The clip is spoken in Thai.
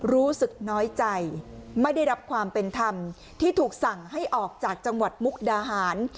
รู้สึกน้อยใจไม่ได้รับความเป็นธรรมที่ถูกสั่งให้ออกจากจังหวัดมุกดาหาร